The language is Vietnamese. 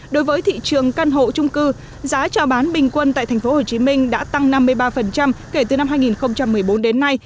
đối với thị trường căn hộ trung cư giá trào bán bình quân tại tp hcm đã tăng năm mươi ba kể từ năm hai nghìn một mươi bốn đến nay